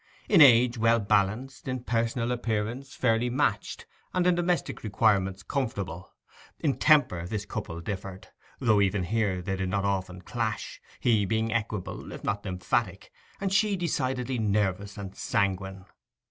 In age well balanced, in personal appearance fairly matched, and in domestic requirements conformable, in temper this couple differed, though even here they did not often clash, he being equable, if not lymphatic, and she decidedly nervous and sanguine.